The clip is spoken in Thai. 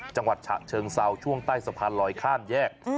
จังหวัดฉะเชิงเซาช่วงใต้สะพานลอยค่านแยก